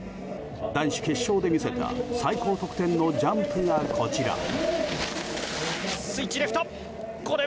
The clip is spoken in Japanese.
男子決勝で見せた最高得点のジャンプがこちら。